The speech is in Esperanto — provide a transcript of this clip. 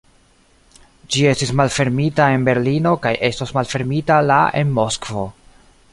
Ĝi estis malfermita en Berlino kaj estos malfermita la en Moskvo.